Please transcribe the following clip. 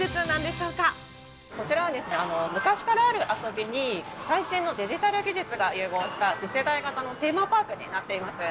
こちらは、昔からある遊びに最新のデジタル技術が融合した次世代型のテーマパークになっています。